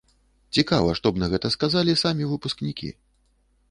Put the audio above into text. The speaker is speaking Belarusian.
Цікава, што б на гэта сказалі самі выпускнікі?